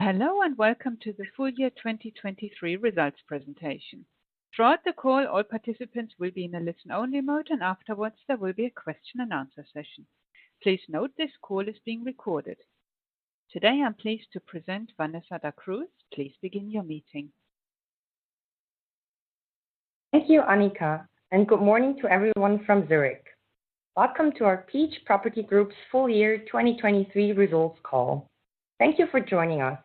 Hello and welcome to the full year 2023 results presentation. Throughout the call, all participants will be in a listen-only mode, and afterwards there will be a Q&A session. Please note this call is being recorded. Today I'm pleased to present Vanessa Da Cruz. Please begin your meeting. Thank you, Anika, and good morning to everyone from Zurich. Welcome to our Peach Property Group's Full year 2023 results call. Thank you for joining us.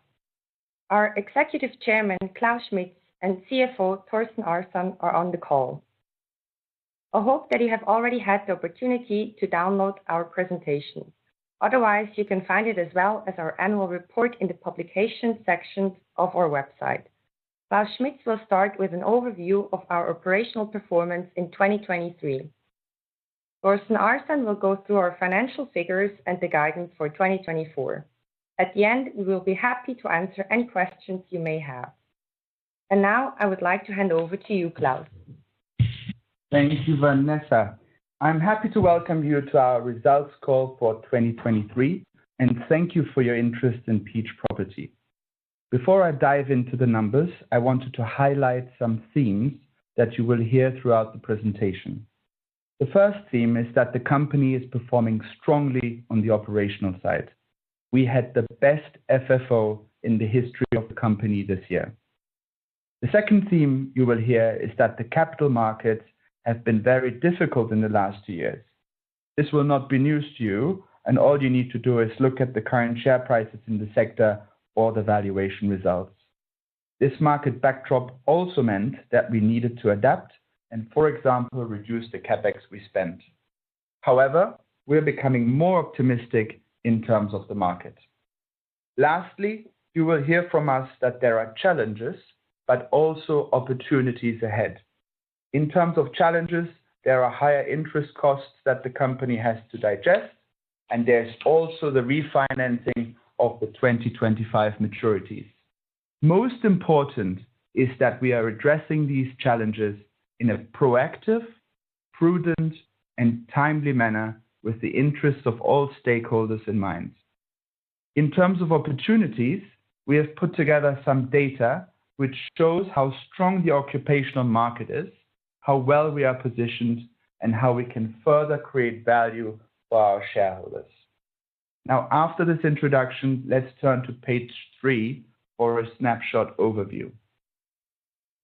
Our Executive Chairman Klaus Schmitz and CFO Thorsten Arsan are on the call. I hope that you have already had the opportunity to download our presentation. Otherwise, you can find it as well as our annual report in the Publications section of our website. Klaus Schmitz will start with an overview of our operational performance in 2023. Thorsten Arsan will go through our financial figures and the guidance for 2024. At the end, we will be happy to answer any questions you may have. Now I would like to hand over to you, Klaus. Thank you, Vanessa. I'm happy to welcome you to our results call for 2023, and thank you for your interest in Peach Property. Before I dive into the numbers, I wanted to highlight some themes that you will hear throughout the presentation. The first theme is that the company is performing strongly on the operational side. We had the best FFO in the history of the company this year. The second theme you will hear is that the capital markets have been very difficult in the last two years. This will not be news to you, and all you need to do is look at the current share prices in the sector or the valuation results. This market backdrop also meant that we needed to adapt and, for example, reduce the CapEx we spent. However, we're becoming more optimistic in terms of the market. Lastly, you will hear from us that there are challenges but also opportunities ahead. In terms of challenges, there are higher interest costs that the company has to digest, and there's also the refinancing of the 2025 maturities. Most important is that we are addressing these challenges in a proactive, prudent, and timely manner with the interests of all stakeholders in mind. In terms of opportunities, we have put together some data which shows how strong the occupational market is, how well we are positioned, and how we can further create value for our shareholders. Now, after this introduction, let's turn to page three for a snapshot overview.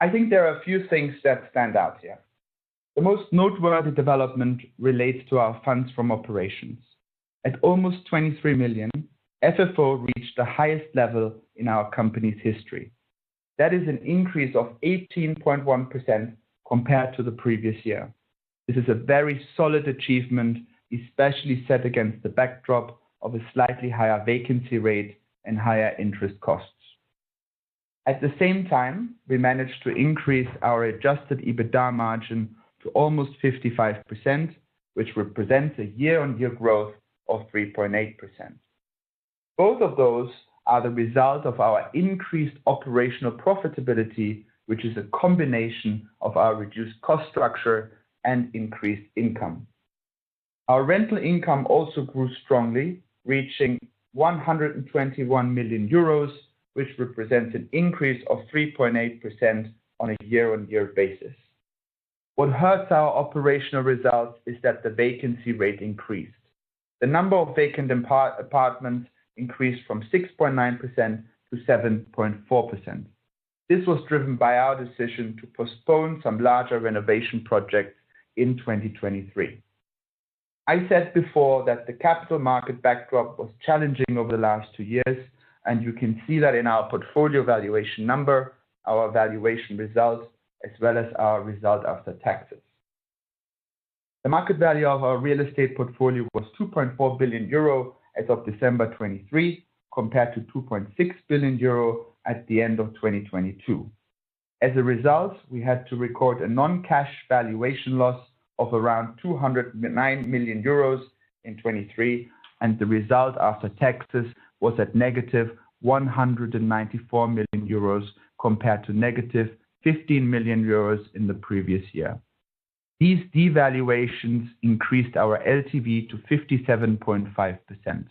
I think there are a few things that stand out here. The most noteworthy development relates to our funds from operations. At almost 23 million, FFO reached the highest level in our company's history. That is an increase of 18.1% compared to the previous year. This is a very solid achievement, especially set against the backdrop of a slightly higher vacancy rate and higher interest costs. At the same time, we managed to increase our Adjusted EBITDA margin to almost 55%, which represents a year-on-year growth of 3.8%. Both of those are the result of our increased operational profitability, which is a combination of our reduced cost structure and increased income. Our rental income also grew strongly, reaching 121 million euros, which represents an increase of 3.8% on a year-on-year basis. What hurts our operational results is that the vacancy rate increased. The number of vacant apartments increased from 6.9%-7.4%. This was driven by our decision to postpone some larger renovation projects in 2023. I said before that the capital market backdrop was challenging over the last two years, and you can see that in our portfolio valuation number, our valuation results, as well as our result after taxes. The market value of our real estate portfolio was 2.4 billion euro as of December 2023, compared to 2.6 billion euro at the end of 2022. As a result, we had to record a non-cash valuation loss of around 209 million euros in 2023, and the result after taxes was at negative 194 million euros, compared to negative 15 million euros in the previous year. These devaluations increased our LTV to 57.5%.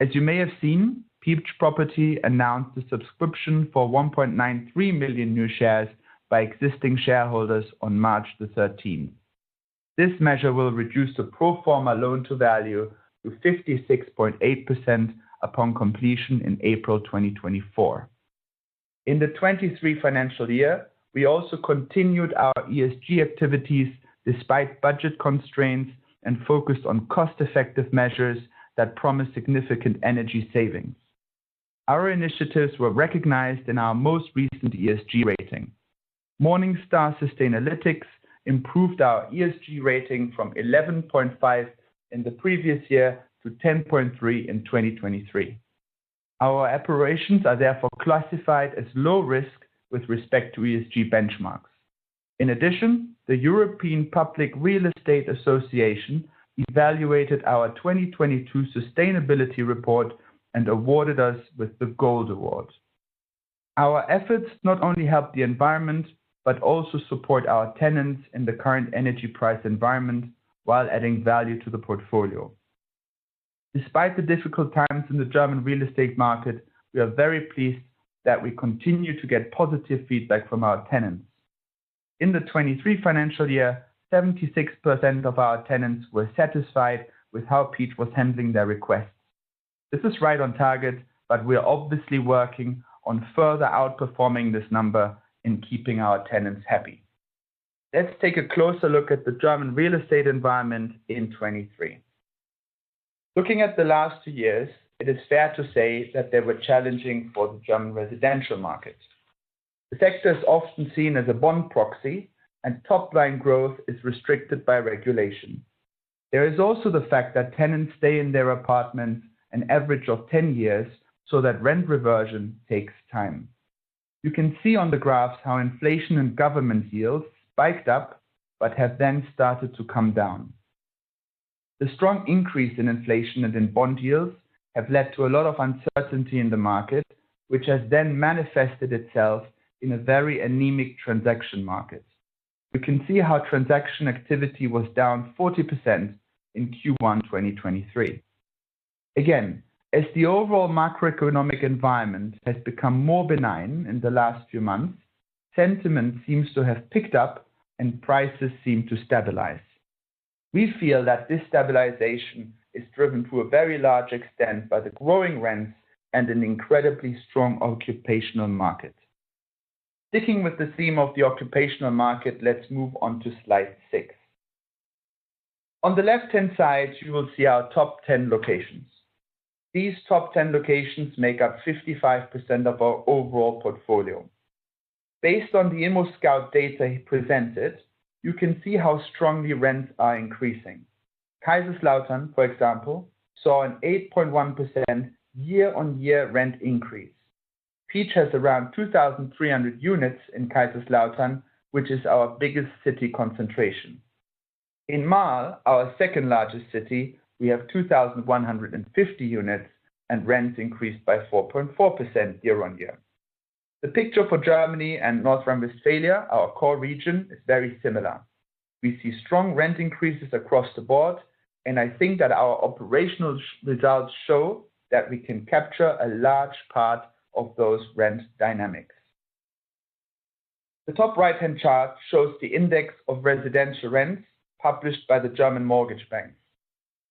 As you may have seen, Peach Property announced a subscription for 1.93 million new shares by existing shareholders on March 13. This measure will reduce the pro forma loan-to-value to 56.8% upon completion in April 2024. In the 2023 financial year, we also continued our ESG activities despite budget constraints and focused on cost-effective measures that promise significant energy savings. Our initiatives were recognized in our most recent ESG rating. Morningstar Sustainalytics improved our ESG rating from 11.5 in the previous year to 10.3 in 2023. Our operations are therefore classified as low-risk with respect to ESG benchmarks. In addition, the European Public Real Estate Association evaluated our 2022 sustainability report and awarded us with the Gold Award. Our efforts not only help the environment but also support our tenants in the current energy price environment while adding value to the portfolio. Despite the difficult times in the German real estate market, we are very pleased that we continue to get positive feedback from our tenants. In the 2023 financial year, 76% of our tenants were satisfied with how Peach was handling their requests. This is right on target, but we are obviously working on further outperforming this number in keeping our tenants happy. Let's take a closer look at the German real estate environment in 2023. Looking at the last two years, it is fair to say that they were challenging for the German residential market. The sector is often seen as a bond proxy, and top-line growth is restricted by regulation. There is also the fact that tenants stay in their apartments an average of 10 years, so that rent reversion takes time. You can see on the graphs how inflation and government yields spiked up but have then started to come down. The strong increase in inflation and in bond yields has led to a lot of uncertainty in the market, which has then manifested itself in a very anemic transaction market. You can see how transaction activity was down 40% in Q1 2023. Again, as the overall macroeconomic environment has become more benign in the last few months, sentiment seems to have picked up and prices seem to stabilize. We feel that this stabilization is driven to a very large extent by the growing rents and an incredibly strong occupational market. Sticking with the theme of the occupational market, let's move on to slide six. On the left-hand side, you will see our top 10 locations. These top 10 locations make up 55% of our overall portfolio. Based on the ImmoScout data he presented, you can see how strongly rents are increasing. Kaiserslautern, for example, saw an 8.1% year-on-year rent increase. Peach has around 2,300 units in Kaiserslautern, which is our biggest city concentration. In Marl, our second-largest city, we have 2,150 units, and rents increased by 4.4% year-on-year. The picture for Germany and North Rhine-Westphalia, our core region, is very similar. We see strong rent increases across the board, and I think that our operational results show that we can capture a large part of those rent dynamics. The top right-hand chart shows the index of residential rents published by the German mortgage banks.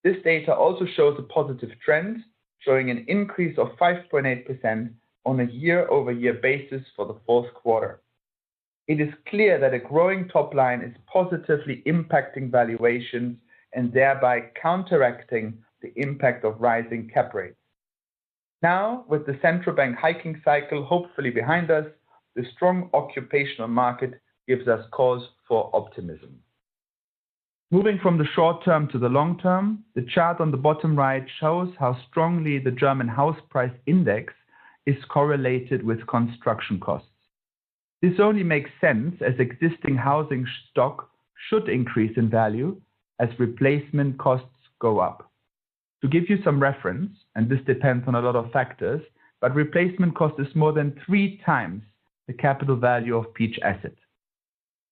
This data also shows a positive trend, showing an increase of 5.8% on a year-over-year basis for the fourth quarter. It is clear that a growing top line is positively impacting valuations and thereby counteracting the impact of rising cap rates. Now, with the central bank hiking cycle hopefully behind us, the strong occupational market gives us cause for optimism. Moving from the short term to the long term, the chart on the bottom right shows how strongly the German House Price Index is correlated with construction costs. This only makes sense as existing housing stock should increase in value as replacement costs go up. To give you some reference, and this depends on a lot of factors, but replacement cost is more than three times the capital value of Peach Asset.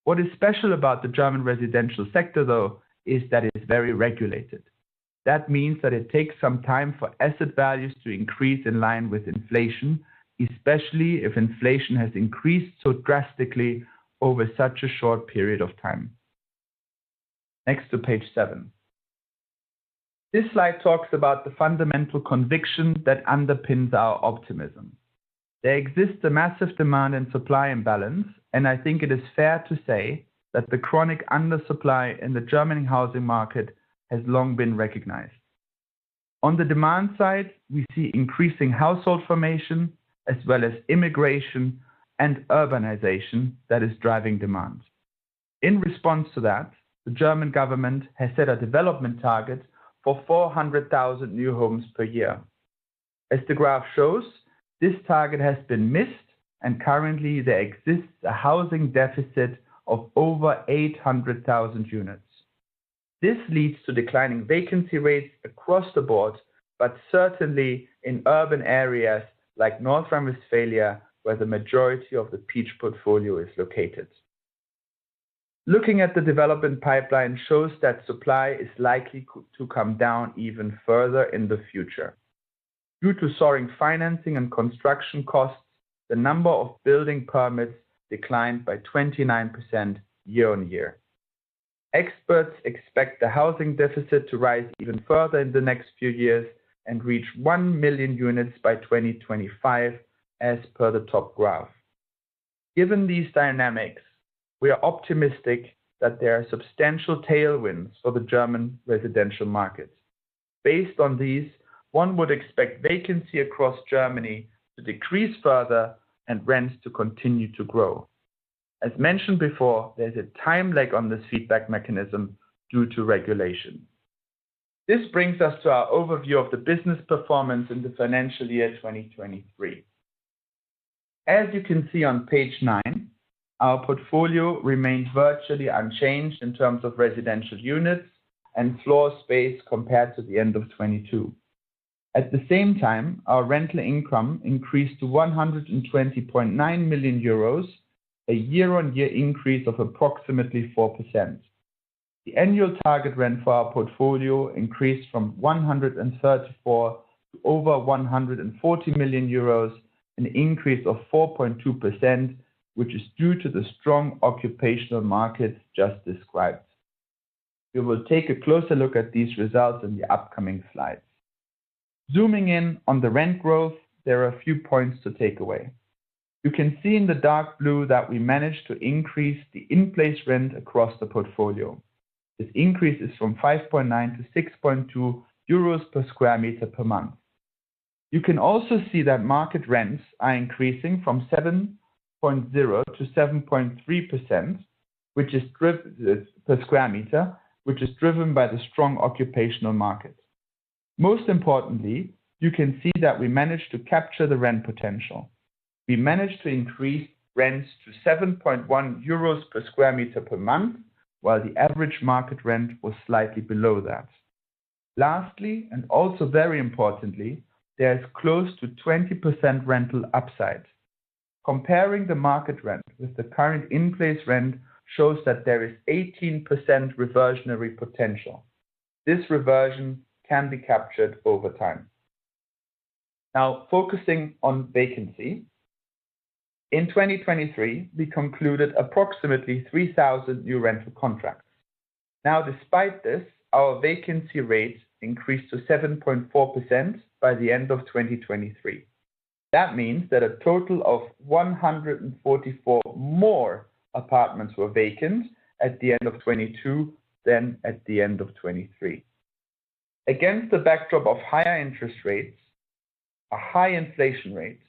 What is special about the German residential sector, though, is that it's very regulated. That means that it takes some time for asset values to increase in line with inflation, especially if inflation has increased so drastically over such a short period of time. Next to page seven. This slide talks about the fundamental conviction that underpins our optimism. There exists a massive demand and supply imbalance, and I think it is fair to say that the chronic undersupply in the German housing market has long been recognized. On the demand side, we see increasing household formation as well as immigration and urbanization that is driving demand. In response to that, the German government has set a development target for 400,000 new homes per year. As the graph shows, this target has been missed, and currently there exists a housing deficit of over 800,000 units. This leads to declining vacancy rates across the board, but certainly in urban areas like North Rhine-Westphalia, where the majority of the Peach portfolio is located. Looking at the development pipeline shows that supply is likely to come down even further in the future. Due to soaring financing and construction costs, the number of building permits declined by 29% year-over-year. Experts expect the housing deficit to rise even further in the next few years and reach 1,000,000 units by 2025, as per the top graph. Given these dynamics, we are optimistic that there are substantial tailwinds for the German residential market. Based on these, one would expect vacancy across Germany to decrease further and rents to continue to grow. As mentioned before, there's a time lag on this feedback mechanism due to regulation. This brings us to our overview of the business performance in the financial year 2023. As you can see on page nine, our portfolio remained virtually unchanged in terms of residential units and floor space compared to the end of 2022. At the same time, our rental income increased to 120.9 million euros, a year-on-year increase of approximately 4%. The annual target rent for our portfolio increased from 134 million to over 140 million euros, an increase of 4.2%, which is due to the strong occupational markets just described. We will take a closer look at these results in the upcoming slides. Zooming in on the rent growth, there are a few points to take away. You can see in the dark blue that we managed to increase the in-place rent across the portfolio. This increase is from 5.9-6.2 euros per square meter per month. You can also see that market rents are increasing from 7.0-7.3 per square meter, which is driven by the strong occupational market. Most importantly, you can see that we managed to capture the rent potential. We managed to increase rents to 7.1 euros per square meter per month, while the average market rent was slightly below that. Lastly, and also very importantly, there is close to 20% rental upside. Comparing the market rent with the current in-place rent shows that there is 18% reversionary potential. This reversion can be captured over time. Now, focusing on vacancy. In 2023, we concluded approximately 3,000 new rental contracts. Now, despite this, our vacancy rate increased to 7.4% by the end of 2023. That means that a total of 144 more apartments were vacant at the end of 2022 than at the end of 2023. Against the backdrop of higher interest rates, a high inflation rate,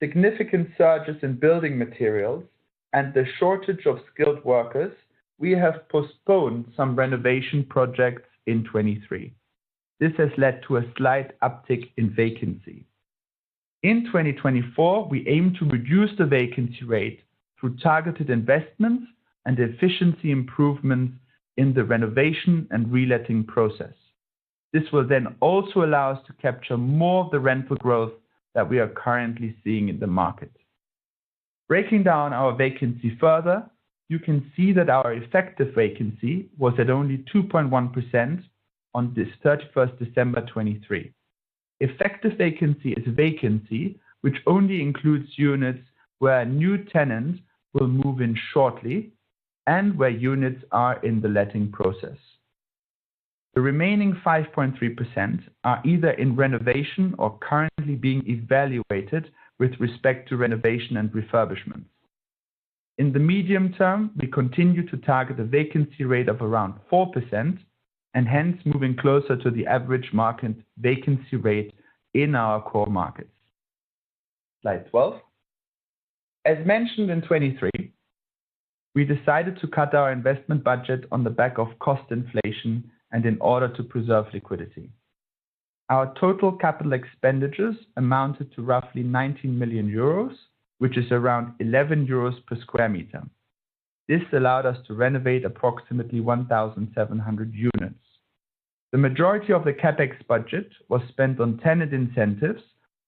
significant surges in building materials, and the shortage of skilled workers, we have postponed some renovation projects in 2023. This has led to a slight uptick in vacancy. In 2024, we aim to reduce the vacancy rate through targeted investments and efficiency improvements in the renovation and reletting process. This will then also allow us to capture more of the rental growth that we are currently seeing in the market. Breaking down our vacancy further, you can see that our effective vacancy was at only 2.1% on this 31st December 2023. Effective vacancy is a vacancy which only includes units where new tenants will move in shortly and where units are in the letting process. The remaining 5.3% are either in renovation or currently being evaluated with respect to renovation and refurbishments. In the medium term, we continue to target a vacancy rate of around 4%, and hence moving closer to the average market vacancy rate in our core markets. Slide 12. As mentioned in 2023, we decided to cut our investment budget on the back of cost inflation and in order to preserve liquidity. Our total capital expenditures amounted to roughly 19 million euros, which is around 11 euros per square meter. This allowed us to renovate approximately 1,700 units. The majority of the CapEx budget was spent on tenant incentives,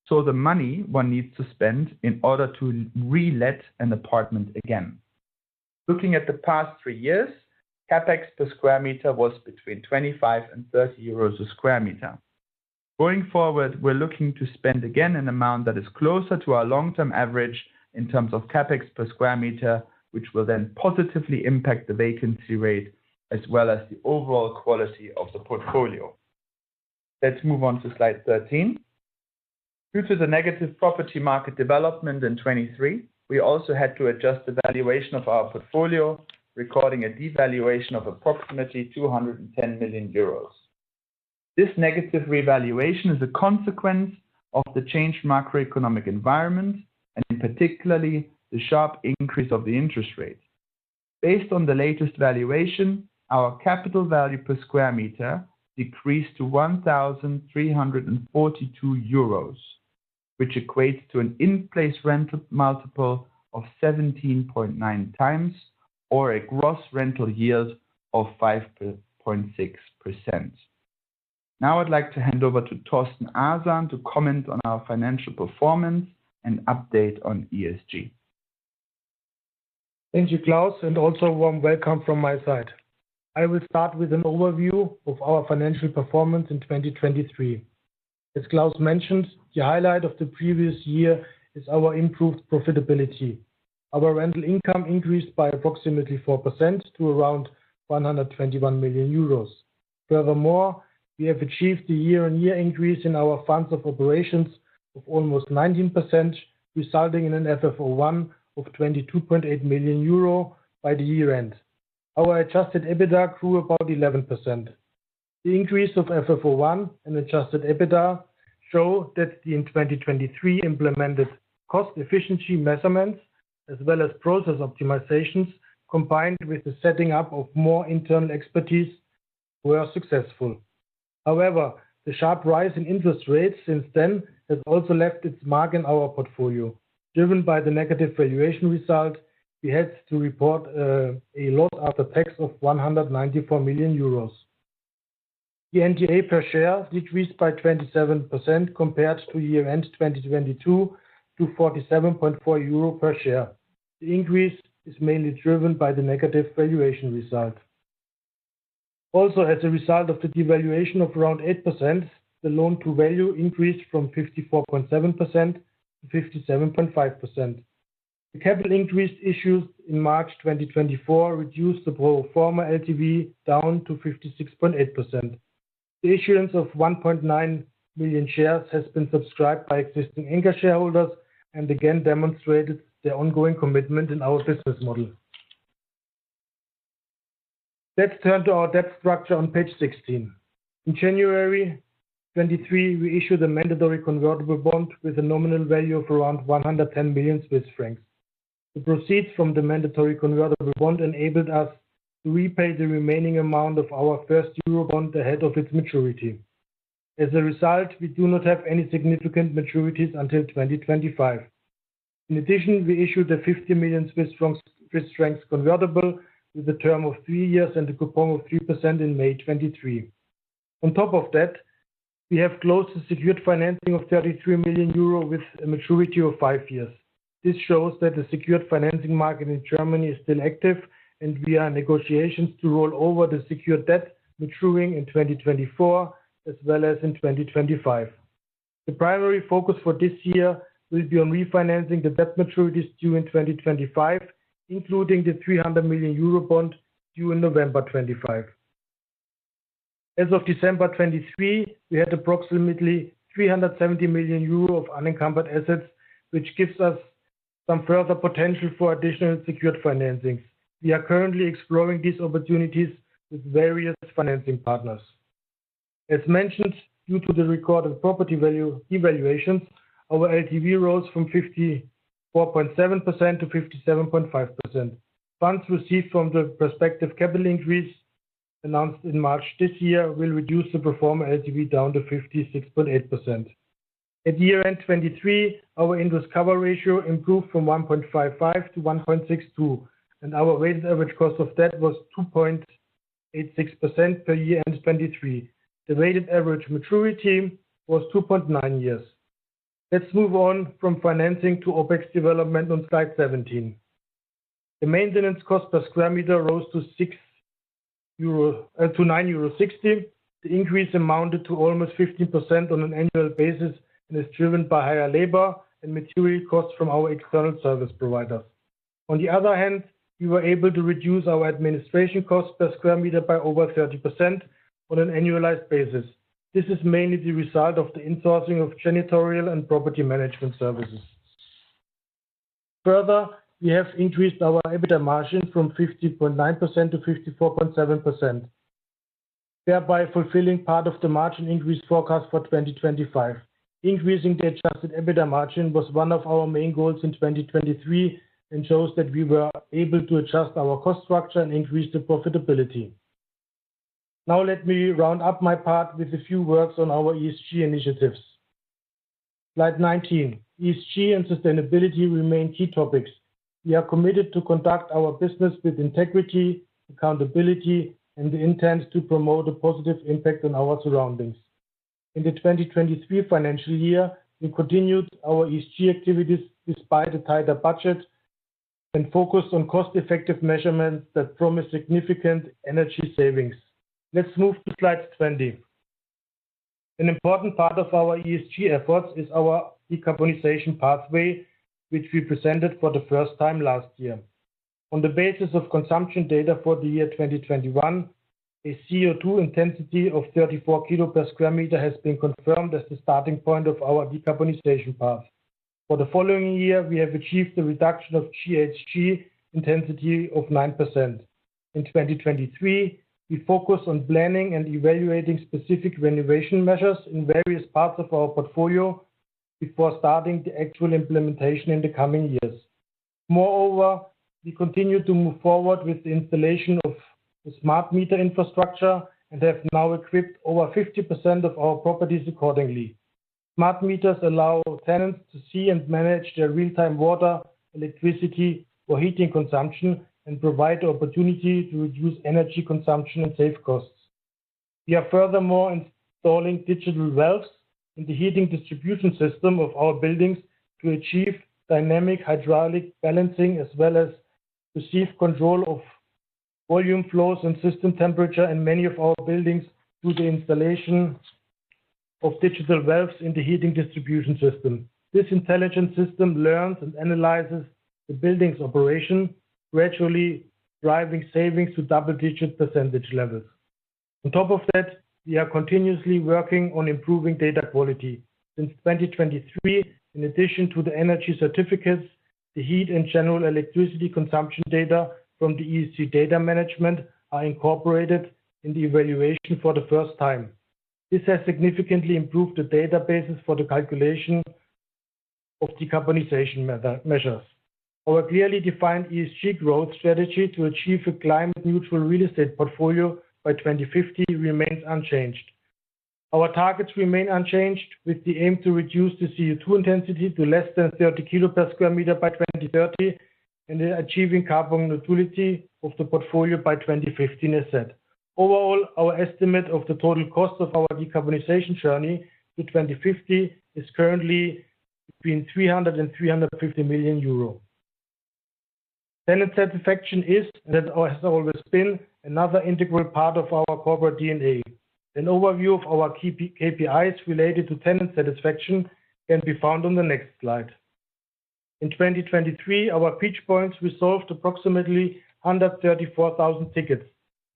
so the money one needs to spend in order to relet an apartment again. Looking at the past three years, CapEx per square meter was between 25 and 30 euros per square meter. Going forward, we're looking to spend again an amount that is closer to our long-term average in terms of CapEx per square meter, which will then positively impact the vacancy rate as well as the overall quality of the portfolio. Let's move on to slide 13. Due to the negative property market development in 2023, we also had to adjust the valuation of our portfolio, recording a devaluation of approximately 210 million euros. This negative revaluation is a consequence of the changed macroeconomic environment and, in particular, the sharp increase of the interest rate. Based on the latest valuation, our capital value per square meter decreased to 1,342 euros, which equates to an in-place rental multiple of 17.9x or a gross rental yield of 5.6%. Now I'd like to hand over to Thorsten Arsan to comment on our financial performance and update on ESG. Thank you, Klaus, and also a warm welcome from my side. I will start with an overview of our financial performance in 2023. As Klaus mentioned, the highlight of the previous year is our improved profitability. Our rental income increased by approximately 4% to around 121 million euros. Furthermore, we have achieved a year-on-year increase in our Funds from Operations of almost 19%, resulting in an FFO1 of 22.8 million euro by the year-end. Our Adjusted EBITDA grew about 11%. The increase of FFO1 and Adjusted EBITDA show that the 2023 implemented cost efficiency measurements as well as process optimizations, combined with the setting up of more internal expertise, were successful. However, the sharp rise in interest rates since then has also left its mark in our portfolio. Driven by the negative valuation result, we had to report a loss after tax of 194 million euros. The NTA per share decreased by 27% compared to year-end 2022 to 47.4 euro per share. The increase is mainly driven by the negative valuation result. Also, as a result of the devaluation of around 8%, the loan-to-value increased from 54.7%-57.5%. The capital increase issued in March 2024 reduced the pro forma LTV down to 56.8%. The issuance of 1.9 million shares has been subscribed by existing Inga shareholders and again demonstrated their ongoing commitment in our business model. Let's turn to our debt structure on page 16. In January 2023, we issued a mandatory convertible bond with a nominal value of around 110 million Swiss francs. The proceeds from the mandatory convertible bond enabled us to repay the remaining amount of our first Eurobond ahead of its maturity. As a result, we do not have any significant maturities until 2025. In addition, we issued a 50 million Swiss francs convertible with a term of three years and a coupon of 3% in May 2023. On top of that, we have closed the secured financing of 33 million euro with a maturity of five years. This shows that the secured financing market in Germany is still active and we are in negotiations to roll over the secured debt maturing in 2024 as well as in 2025. The primary focus for this year will be on refinancing the debt maturities due in 2025, including the 300 million Eurobond due in November 2025. As of December 2023, we had approximately 370 million euro of unencumbered assets, which gives us some further potential for additional secured financings. We are currently exploring these opportunities with various financing partners. As mentioned, due to the recorded property value devaluations, our LTV rose from 54.7% to 57.5%. Funds received from the prospective capital increase announced in March this year will reduce the pro forma LTV down to 56.8%. At year-end 2023, our interest coverage ratio improved from 1.55% to 1.62%, and our weighted average cost of debt was 2.86% at year-end 2023. The weighted average maturity was 2.9 years. Let's move on from financing to OPEX development on slide 17. The maintenance cost per sq m rose to 9.60 euro. The increase amounted to almost 15% on an annual basis and is driven by higher labor and material costs from our external service providers. On the other hand, we were able to reduce our administration cost per sq m by over 30% on an annualized basis. This is mainly the result of the insourcing of janitorial and property management services. Further, we have increased our EBITDA margin from 50.9% to 54.7%, thereby fulfilling part of the margin increase forecast for 2025. Increasing the adjusted EBITDA margin was one of our main goals in 2023 and shows that we were able to adjust our cost structure and increase the profitability. Now let me round up my part with a few words on our ESG initiatives. Slide 19. ESG and sustainability remain key topics. We are committed to conduct our business with integrity, accountability, and the intent to promote a positive impact on our surroundings. In the 2023 financial year, we continued our ESG activities despite a tighter budget and focused on cost-effective measurements that promised significant energy savings. Let's move to Slide 20. An important part of our ESG efforts is our decarbonization pathway, which we presented for the first time last year. On the basis of consumption data for the year 2021, a CO2 intensity of 34 kilos per square meter has been confirmed as the starting point of our decarbonization path. For the following year, we have achieved a reduction of GHG intensity of 9%. In 2023, we focused on planning and evaluating specific renovation measures in various parts of our portfolio before starting the actual implementation in the coming years. Moreover, we continue to move forward with the installation of the smart meter infrastructure and have now equipped over 50% of our properties accordingly. Smart meters allow tenants to see and manage their real-time water, electricity, or heating consumption and provide the opportunity to reduce energy consumption and save costs. We are furthermore installing digital valves in the heating distribution system of our buildings to achieve dynamic hydraulic balancing as well as receive control of volume flows and system temperature in many of our buildings through the installation of digital valves in the heating distribution system. This intelligent system learns and analyzes the building's operation, gradually driving savings to double-digit percentage levels. On top of that, we are continuously working on improving data quality. Since 2023, in addition to the energy certificates, the heat and general electricity consumption data from the ESG data management are incorporated in the evaluation for the first time. This has significantly improved the databases for the calculation of decarbonization measures. Our clearly defined ESG growth strategy to achieve a climate-neutral real estate portfolio by 2050 remains unchanged. Our targets remain unchanged with the aim to reduce the CO2 intensity to less than 30 kilos per square meter by 2030 and achieving carbon neutrality of the portfolio by 2050 as set. Overall, our estimate of the total cost of our decarbonization journey to 2050 is currently between 300 million euro and 350 million euro. Tenant satisfaction is and has always been another integral part of our corporate DNA. An overview of our KPIs related to tenant satisfaction can be found on the next slide. In 2023, our Peach Points resolved approximately 134,000 tickets.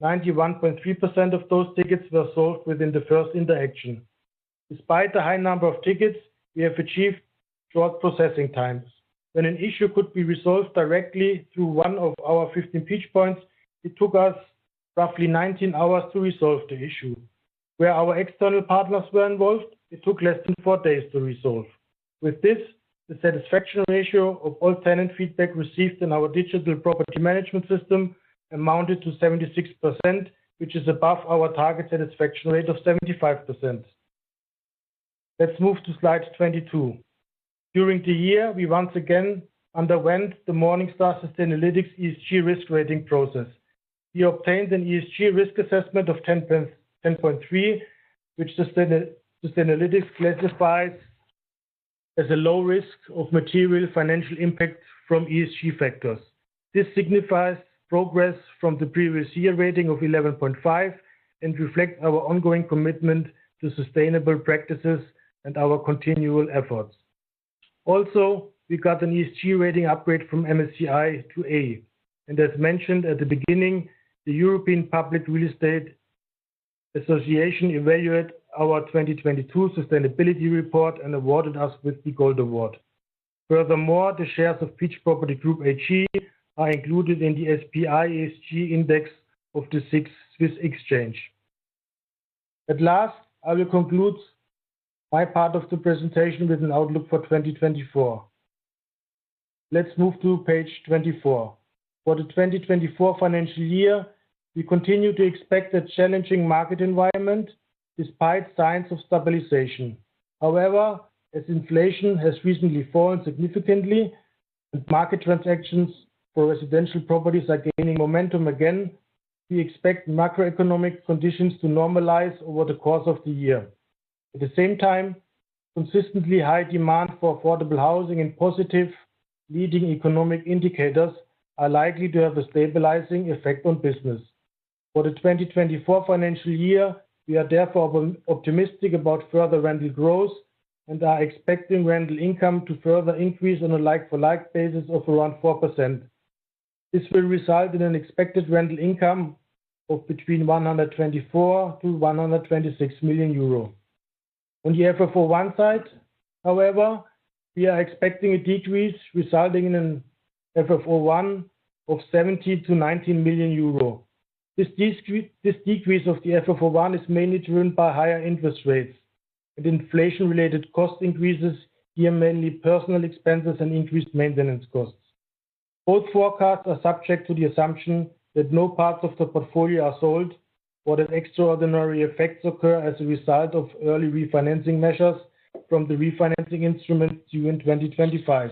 91.3% of those tickets were solved within the first interaction. Despite the high number of tickets, we have achieved short processing times. When an issue could be resolved directly through one of our 15 Peach Points, it took us roughly 19 hours to resolve the issue. Where our external partners were involved, it took less than four days to resolve. With this, the satisfaction ratio of all tenant feedback received in our digital property management system amounted to 76%, which is above our target satisfaction rate of 75%. Let's move to slide 22. During the year, we once again underwent the Morningstar Sustainalytics ESG risk rating process. We obtained an ESG risk assessment of 10.3, which Sustainalytics classifies as a low risk of material financial impact from ESG factors. This signifies progress from the previous year rating of 11.5 and reflects our ongoing commitment to sustainable practices and our continual efforts. Also, we got an ESG rating upgrade from MSCI to A. As mentioned at the beginning, the European Public Real Estate Association evaluated our 2022 sustainability report and awarded us with the Gold Award. Furthermore, the shares of Peach Property Group AG are included in the SPI ESG Index of the SIX Swiss Exchange. At last, I will conclude my part of the presentation with an outlook for 2024. Let's move to page 24. For the 2024 financial year, we continue to expect a challenging market environment despite signs of stabilization. However, as inflation has recently fallen significantly and market transactions for residential properties are gaining momentum again, we expect macroeconomic conditions to normalize over the course of the year. At the same time, consistently high demand for affordable housing and positive leading economic indicators are likely to have a stabilizing effect on business. For the 2024 financial year, we are therefore optimistic about further rental growth and are expecting rental income to further increase on a like-for-like basis of around 4%. This will result in an expected rental income of between 124 million-126 million euro. On the FFO 1 side, however, we are expecting a decrease resulting in an FFO 1 of 70 million-19 million euro. This decrease of the FFO 1 is mainly driven by higher interest rates and inflation-related cost increases here, mainly personal expenses and increased maintenance costs. Both forecasts are subject to the assumption that no parts of the portfolio are sold or that extraordinary effects occur as a result of early refinancing measures from the refinancing instruments due in 2025.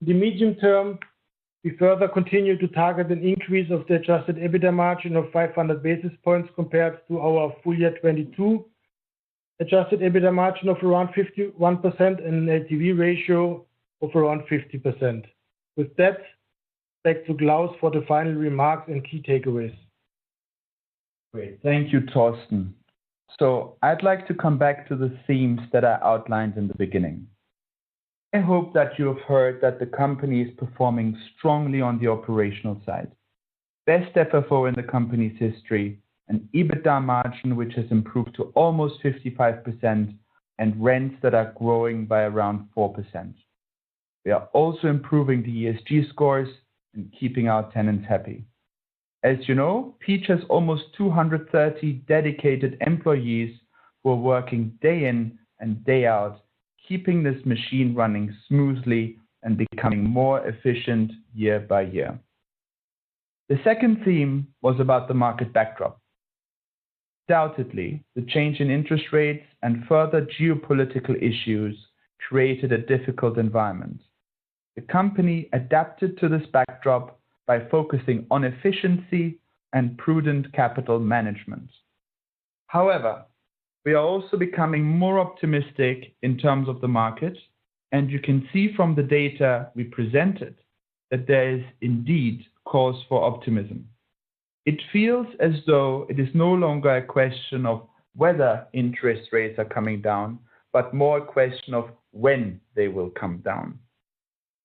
In the medium term, we further continue to target an increase of the adjusted EBITDA margin of 500 basis points compared to our full year 2022 adjusted EBITDA margin of around 51%, and an LTV ratio of around 50%. With that, back to Klaus for the final remarks and key takeaways. Great. Thank you, Thorsten. So I'd like to come back to the themes that I outlined in the beginning. I hope that you have heard that the company is performing strongly on the operational side: best FFO in the company's history, an EBITDA margin which has improved to almost 55%, and rents that are growing by around 4%. We are also improving the ESG scores and keeping our tenants happy. As you know, Peach has almost 230 dedicated employees who are working day in and day out, keeping this machine running smoothly and becoming more efficient year by year. The second theme was about the market backdrop. Undoubtedly, the change in interest rates and further geopolitical issues created a difficult environment. The company adapted to this backdrop by focusing on efficiency and prudent capital management. However, we are also becoming more optimistic in terms of the market, and you can see from the data we presented that there is indeed cause for optimism. It feels as though it is no longer a question of whether interest rates are coming down, but more a question of when they will come down.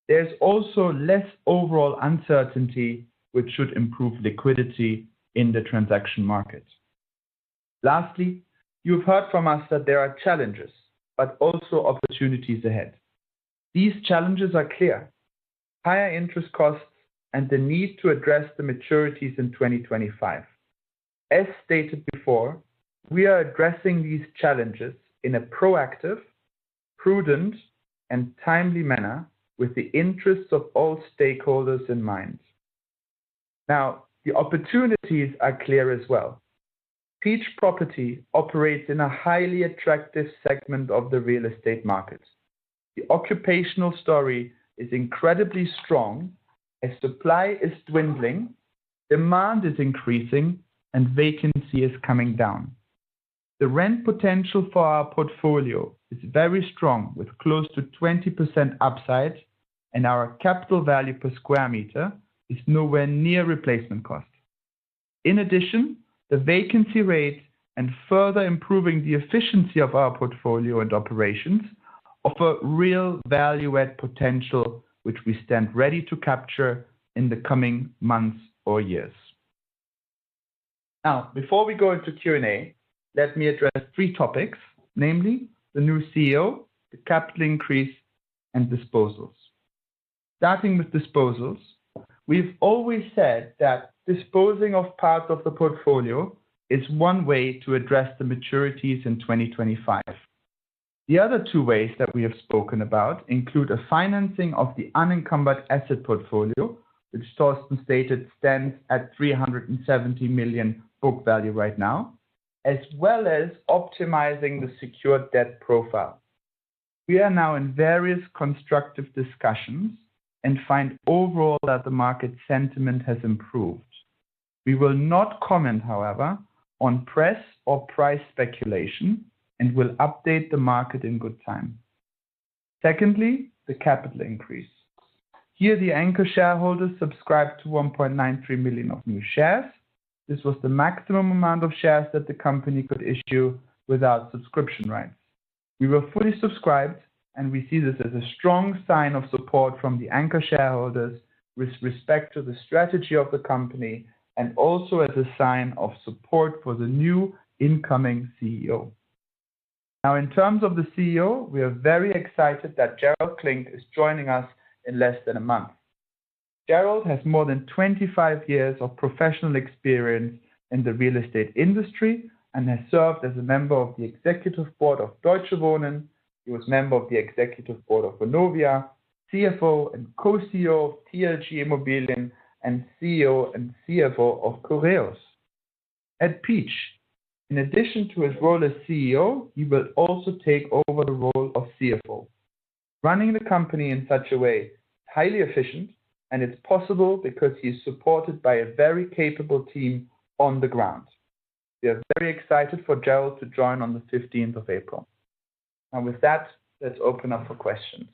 There's also less overall uncertainty, which should improve liquidity in the transaction market. Lastly, you have heard from us that there are challenges but also opportunities ahead. These challenges are clear: higher interest costs and the need to address the maturities in 2025. As stated before, we are addressing these challenges in a proactive, prudent, and timely manner with the interests of all stakeholders in mind. Now, the opportunities are clear as well. Peach Property operates in a highly attractive segment of the real estate market. The occupational story is incredibly strong as supply is dwindling, demand is increasing, and vacancy is coming down. The rent potential for our portfolio is very strong, with close to 20% upside, and our capital value per square meter is nowhere near replacement cost. In addition, the vacancy rate and further improving the efficiency of our portfolio and operations offer real value-add potential, which we stand ready to capture in the coming months or years. Now, before we go into Q&A, let me address three topics, namely the new CEO, the capital increase, and disposals. Starting with disposals, we've always said that disposing of parts of the portfolio is one way to address the maturities in 2025. The other two ways that we have spoken about include a financing of the unencumbered asset portfolio, which Thorsten stated stands at 370 million book value right now, as well as optimizing the secured debt profile. We are now in various constructive discussions and find overall that the market sentiment has improved. We will not comment, however, on press or price speculation and will update the market in good time. Secondly, the capital increase. Here, the Anchor shareholders subscribed to 1.93 million of new shares. This was the maximum amount of shares that the company could issue without subscription rights. We were fully subscribed, and we see this as a strong sign of support from the Anchor shareholders with respect to the strategy of the company and also as a sign of support for the new incoming CEO. Now, in terms of the CEO, we are very excited that Gerald Klinck is joining us in less than a month. Gerald has more than 25 years of professional experience in the real estate industry and has served as a member of the executive board of Deutsche Wohnen. He was member of the executive board of Vonovia, CFO and co-CEO of TLG Immobilien, and CEO and CFO of Cureus. At Peach, in addition to his role as CEO, he will also take over the role of CFO. Running the company in such a way is highly efficient, and it's possible because he is supported by a very capable team on the ground. We are very excited for Gerald to join on the 15th of April. Now, with that, let's open up for questions.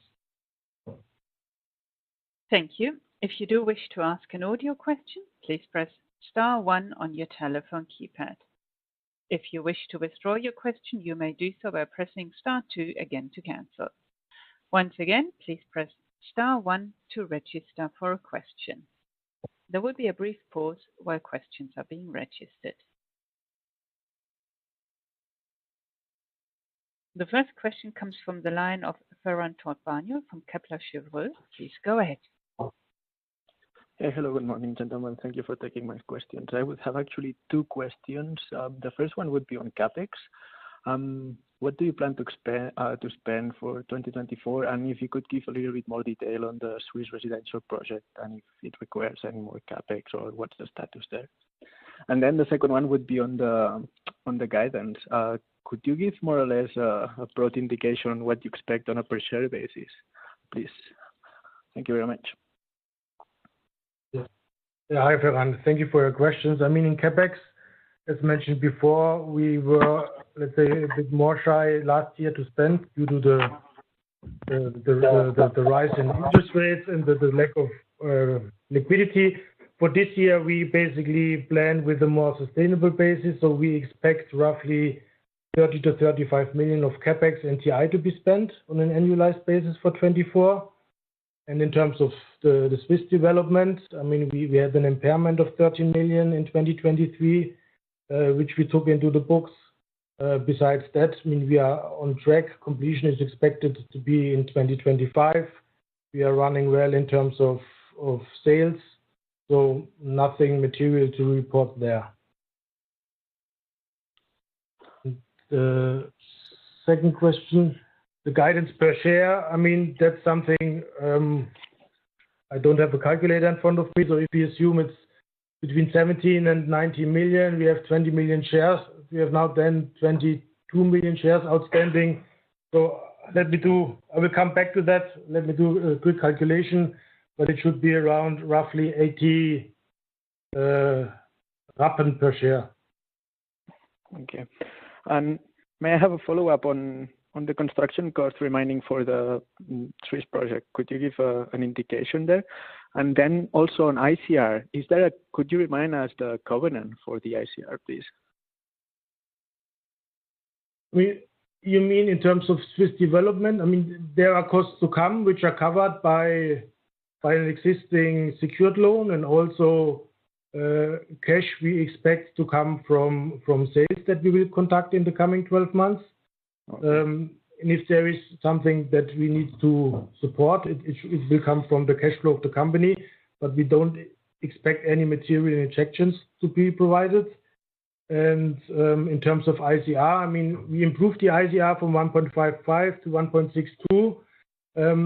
Thank you. If you do wish to ask an audio question, please press star one on your telephone keypad. If you wish to withdraw your question, you may do so by pressing star two again to cancel. Once again, please press star one to register for a question. There will be a brief pause while questions are being registered. The first question comes from the line of Ferran Tort from Kepler Cheuvreux. Please go ahead. Hello. Good morning, gentlemen. Thank you for taking my question. I would have actually two questions. The first one would be on CapEx. What do you plan to spend for 2024, and if you could give a little bit more detail on the Swiss residential project and if it requires any more CapEx or what's the status there? Then the second one would be on the guidance. Could you give more or less a broad indication on what you expect on a per-share basis, please? Thank you very much. Yeah. Hi, Ferran. Thank you for your questions. I mean, in CapEx, as mentioned before, we were, let's say, a bit more shy last year to spend due to the rise in interest rates and the lack of liquidity. For this year, we basically plan with a more sustainable basis, so we expect roughly 30-35 million of CapEx and TI to be spent on an annualized basis for 2024. And in terms of the Swiss development, I mean, we had an impairment of 13 million in 2023, which we took into the books. Besides that, I mean, we are on track. Completion is expected to be in 2025. We are running well in terms of sales, so nothing material to report there. The second question, the guidance per share, I mean, that's something I don't have a calculator in front of me, so if we assume it's between 17 million and 19 million, we have 20 million shares. We have now then 22 million shares outstanding. So let me do I will come back to that. Let me do a quick calculation, but it should be around roughly CHF 0.80 per share. Thank you. May I have a follow-up on the construction costs remaining for the Swiss project? Could you give an indication there? And then also on ICR, could you remind us the covenant for the ICR, please? You mean in terms of Swiss development? I mean, there are costs to come which are covered by an existing secured loan and also cash we expect to come from sales that we will contact in the coming 12 months. And if there is something that we need to support, it will come from the cash flow of the company, but we don't expect any material injections to be provided. And in terms of ICR, I mean, we improved the ICR from 1.55 to 1.62.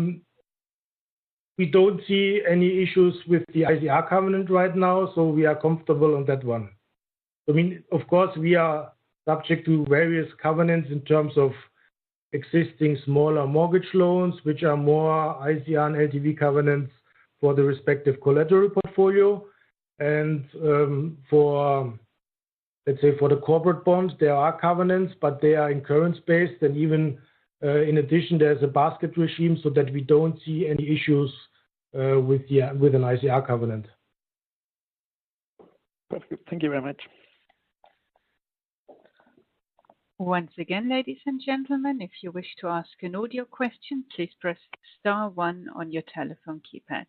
We don't see any issues with the ICR covenant right now, so we are comfortable on that one. I mean, of course, we are subject to various covenants in terms of existing smaller mortgage loans, which are more ICR and LTV covenants for the respective collateral portfolio. And let's say for the corporate bond, there are covenants, but they are in currency-based. And even in addition, there's a basket regime so that we don't see any issues with an ICR covenant. Perfect. Thank you very much. Once again, ladies and gentlemen, if you wish to ask an audio question, please press star one on your telephone keypad.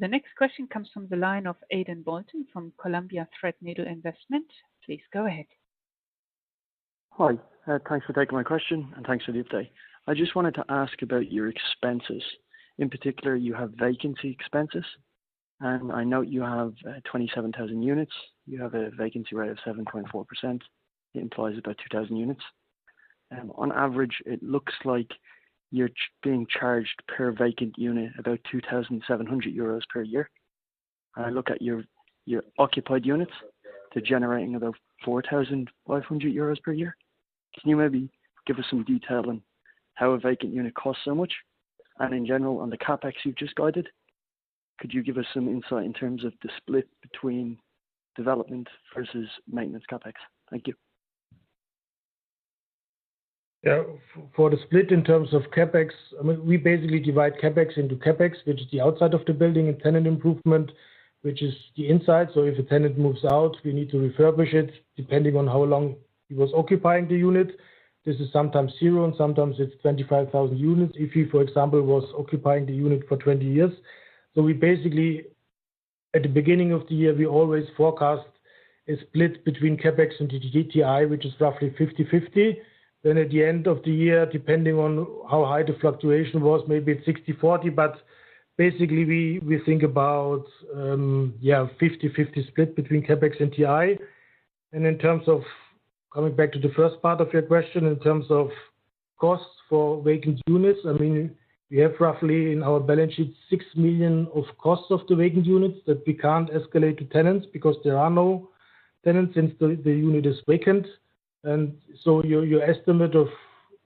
The next question comes from the line of Alban Lhonneur from Columbia Threadneedle Investments. Please go ahead. Hi. Thanks for taking my question, and thanks for the update. I just wanted to ask about your expenses. In particular, you have vacancy expenses, and I note you have 27,000 units. You have a vacancy rate of 7.4%. It implies about 2,000 units. On average, it looks like you're being charged per vacant unit about 2,700 euros per year. And I look at your occupied units, they're generating about 4,500 euros per year. Can you maybe give us some detail on how a vacant unit costs so much? In general, on the CapEx you've just guided, could you give us some insight in terms of the split between development versus maintenance CapEx? Thank you. Yeah. For the split in terms of CapEx, I mean, we basically divide CapEx into CapEx, which is the outside of the building, and tenant improvement, which is the inside. So if a tenant moves out, we need to refurbish it depending on how long he was occupying the unit. This is sometimes zero, and sometimes it's 25,000 if he, for example, was occupying the unit for 20 years. So basically, at the beginning of the year, we always forecast a split between CapEx and TI, which is roughly 50/50. Then at the end of the year, depending on how high the fluctuation was, maybe it's 60/40, but basically, we think about, yeah, a 50/50 split between CapEx and TI. And in terms of coming back to the first part of your question, in terms of costs for vacant units, I mean, we have roughly in our balance sheet 6 million of costs of the vacant units that we can't escalate to tenants because there are no tenants since the unit is vacant. And so your estimate of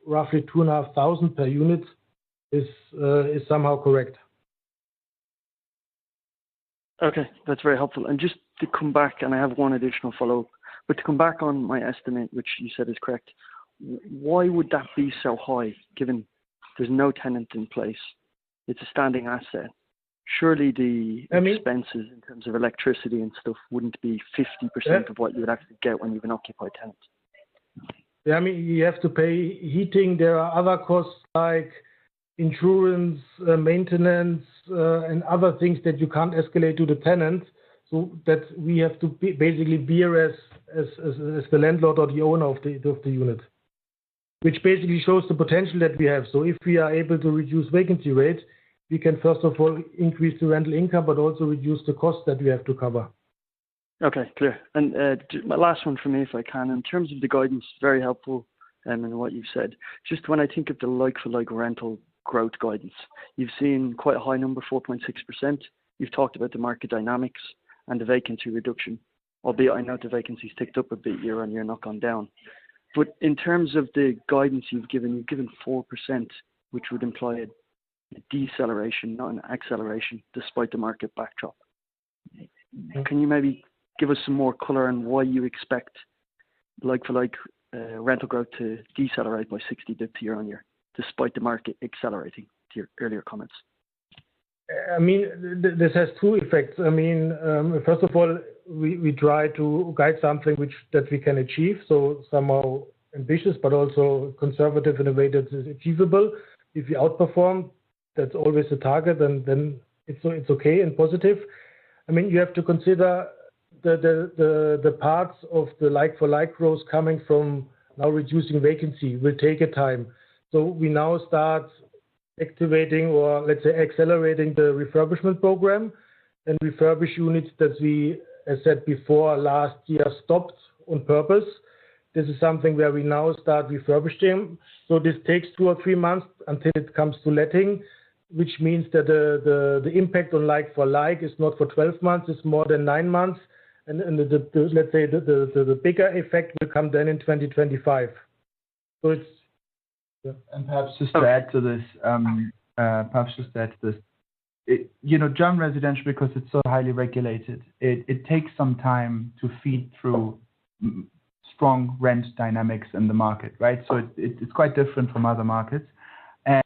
roughly 2,500 per unit is somehow correct. Okay. That's very helpful. And just to come back, and I have one additional follow-up, but to come back on my estimate, which you said is correct, why would that be so high given there's no tenant in place? It's a standing asset. Surely the expenses in terms of electricity and stuff wouldn't be 50% of what you would actually get when you've an occupied tenant. Yeah. I mean, you have to pay heating. There are other costs like insurance, maintenance, and other things that you can't escalate to the tenant. So we have to basically bear as the landlord or the owner of the unit, which basically shows the potential that we have. So if we are able to reduce vacancy rate, we can first of all increase the rental income but also reduce the cost that we have to cover. Okay. Clear. And last one for me, if I can. In terms of the guidance, very helpful in what you've said. Just when I think of the like-for-like rental growth guidance, you've seen quite a high number, 4.6%. You've talked about the market dynamics and the vacancy reduction, albeit I note the vacancies ticked up a bit year-on-year, not gone down. But in terms of the guidance you've given, you've given 4%, which would imply a deceleration, not an acceleration, despite the market backdrop. Can you maybe give us some more color on why you expect like-for-like rental growth to decelerate by 60% year-on-year despite the market accelerating, to your earlier comments? I mean, this has two effects. I mean, first of all, we try to guide something that we can achieve, so somehow ambitious but also conservative in a way that it's achievable. If we outperform, that's always a target, and then it's okay and positive. I mean, you have to consider the parts of the like-for-like growth coming from now reducing vacancy. It will take time. So we now start activating or, let's say, accelerating the refurbishment program and refurbish units that we, as said before, last year stopped on purpose. This is something where we now start refurbishing. So this takes two or three months until it comes to letting, which means that the impact on like-for-like is not for 12 months. It's more than nine months. And let's say the bigger effect will come then in 2025. So it's. Yeah. And perhaps just to add to this, perhaps just to add to this, joint residential, because it's so highly regulated, it takes some time to feed through strong rent dynamics in the market, right? So it's quite different from other markets. And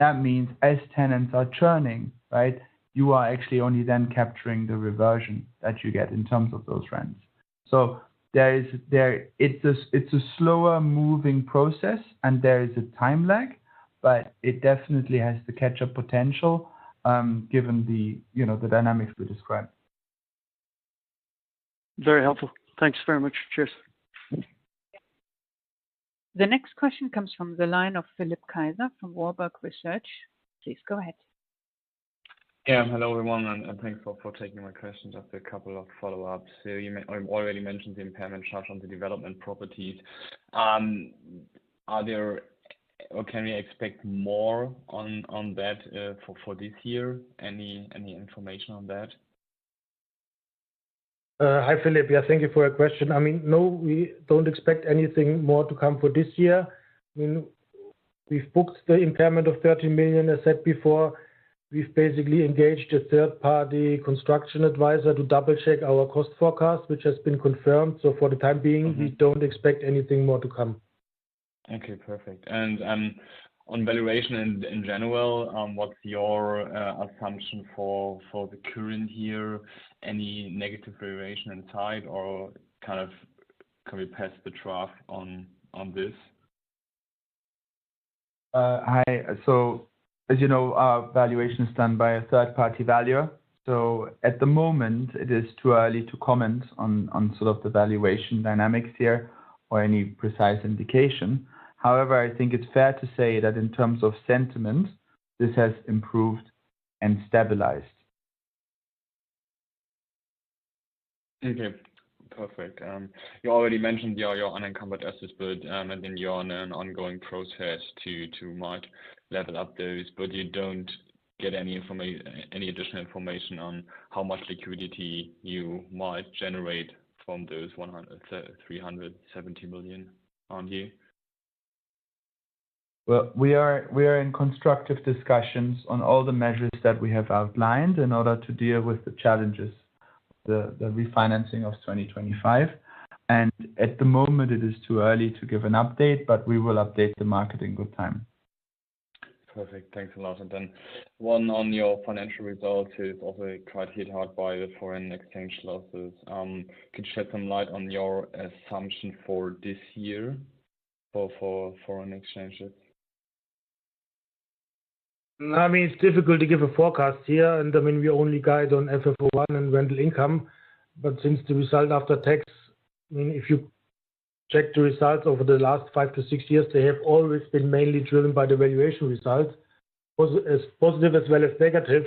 that means as tenants are churning, right, you are actually only then capturing the reversion that you get in terms of those rents. So it's a slower-moving process, and there is a time lag, but it definitely has the catch-up potential given the dynamics we described. Very helpful. Thanks very much. Cheers. The next question comes from the line of Philipp Kaiser from Warburg Research. Please go ahead. Yeah. Hello, everyone. And thanks for taking my questions after a couple of follow-ups. So you already mentioned the impairment charge on the development properties. Are there or can we expect more on that for this year? Any information on that? Hi, Philipp. Yeah. Thank you for your question. I mean, no, we don't expect anything more to come for this year. I mean, we've booked the impairment of 30 million, as said before. We've basically engaged a third-party construction advisor to double-check our cost forecast, which has been confirmed. So for the time being, we don't expect anything more to come. Okay. Perfect. And on valuation in general, what's your assumption for the current year? Any negative valuation in sight, or kind of can we pass the draft on this? Hi. So as you know, valuation is done by a third-party valuer. So at the moment, it is too early to comment on sort of the valuation dynamics here or any precise indication. However, I think it's fair to say that in terms of sentiment, this has improved and stabilized. Okay. Perfect. You already mentioned your unencumbered assets, but I think you're on an ongoing process to might level up those, but you don't get any additional information on how much liquidity you might generate from those 370 million, aren't you? Well, we are in constructive discussions on all the measures that we have outlined in order to deal with the challenges, the refinancing of 2025. And at the moment, it is too early to give an update, but we will update the market in good time. Perfect. Thanks a lot. And then, one on your financial results is also quite hit hard by the foreign exchange losses. Could you shed some light on your assumption for this year for foreign exchanges? I mean, it's difficult to give a forecast here. And I mean, we only guide on FFO1 and rental income. But since the result after tax, I mean, if you check the results over the last five to six years, they have always been mainly driven by the valuation results, as positive as well as negative.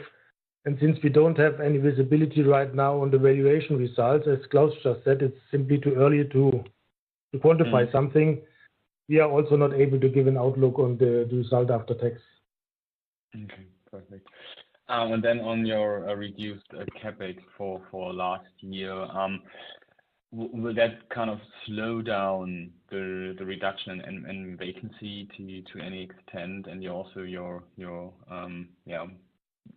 And since we don't have any visibility right now on the valuation results, as Klaus just said, it's simply too early to quantify something. We are also not able to give an outlook on the result after tax. Okay. Perfect. And then on your reduced CapEx for last year, will that kind of slow down the reduction in vacancy to any extent? Also your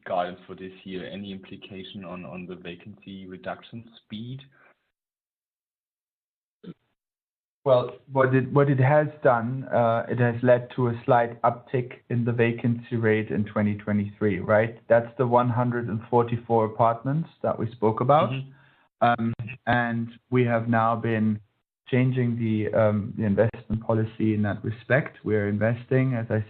guidance for this year, any implication on the vacancy reduction speed? Well, what it has done, it has led to a slight uptick in the vacancy rate in 2023, right? That's the 144 apartments that we spoke about. We have now been changing the investment policy in that respect. We are investing, as I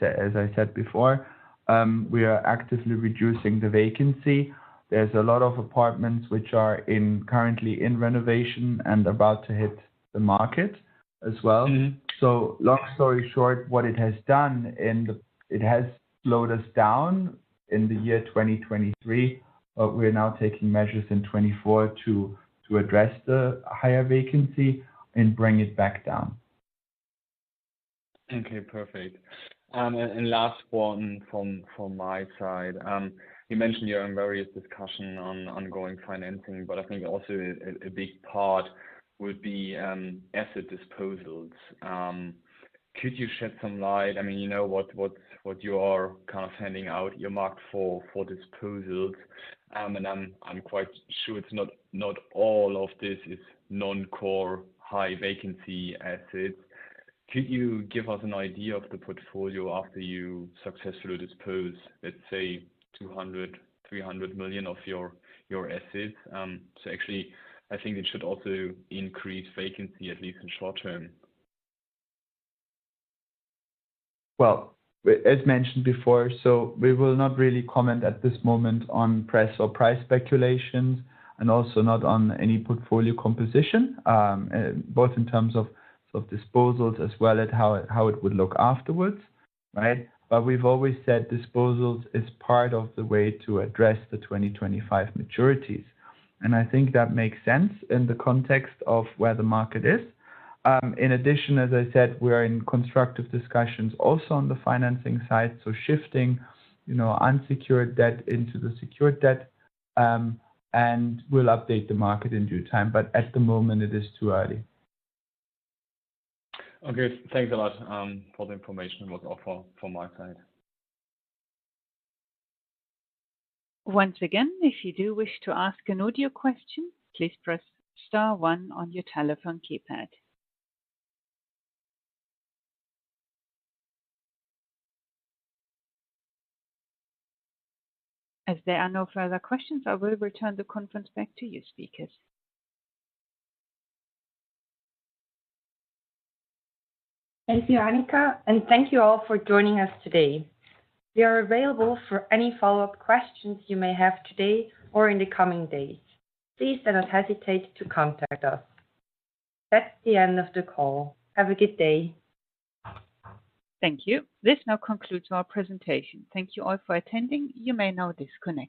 said before. We are actively reducing the vacancy. There's a lot of apartments which are currently in renovation and about to hit the market as well. So long story short, what it has done is, it has slowed us down in the year 2023, but we're now taking measures in 2024 to address the higher vacancy and bring it back down. Okay. Perfect. Last one from my side. You mentioned you're in various discussions on ongoing financing, but I think also a big part would be asset disposals. Could you shed some light? I mean, you know what you are kind of handing out, your mark for disposals. And I'm quite sure it's not all of this is non-core high vacancy assets. Could you give us an idea of the portfolio after you successfully dispose, let's say, 200 million, 300 million of your assets? So actually, I think it should also increase vacancy, at least in short term. Well, as mentioned before, so we will not really comment at this moment on press or price speculations and also not on any portfolio composition, both in terms of disposals as well as how it would look afterwards, right? But we've always said disposals is part of the way to address the 2025 maturities. And I think that makes sense in the context of where the market is. In addition, as I said, we are in constructive discussions also on the financing side, so shifting unsecured debt into secured debt, and will update the market in due time. But at the moment, it is too early. Okay. Thanks a lot for the information and what's offered from my side. Once again, if you do wish to ask an audio question, please press star one on your telephone keypad. As there are no further questions, I will return the conference back to you, speakers. Thank you, Anika. And thank you all for joining us today. We are available for any follow-up questions you may have today or in the coming days. Please do not hesitate to contact us. That's the end of the call. Have a good day. Thank you. This now concludes our presentation. Thank you all for attending. You may now disconnect.